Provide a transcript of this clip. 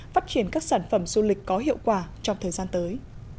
phát triển các sản phẩm du lịch có hiệu quả trong thời gian tới